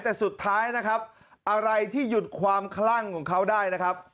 แต่สุดท้ายนะครับอะไรที่หยุดความคลั่งของเขาได้นะครับ